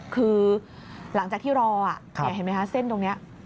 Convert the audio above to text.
คือหลังจากที่รอเห็นไหมคะเส้นตรงนี้